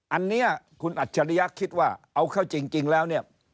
อันนี้คุณอัจฉริยักษ์คิดว่าเอาเข้าจริงแล้ว